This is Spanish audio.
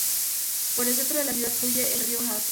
Por el centro de la ciudad fluye el "río Hase".